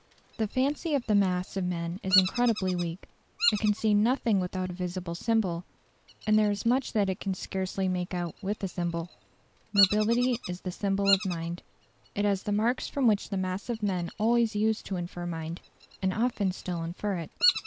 The fancy of the mass of men is incredibly weak; it can see nothing without a visible symbol, and there is much that it can scarcely make out with a symbol. Nobility is the symbol of mind. It has the marks from which the mass of men always used to infer mind, and often still infer it.